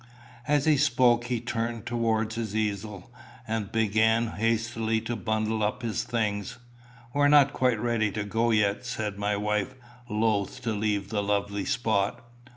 As he spoke he turned towards his easel, and began hastily to bundle up his things. "We're not quite ready to go yet," said my wife, loath to leave the lovely spot.